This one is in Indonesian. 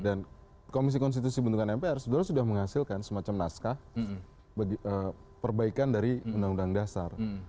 dan komisi konstitusi yang dibentukkan mpr sudah menghasilkan semacam naskah perbaikan dari undang undang dasar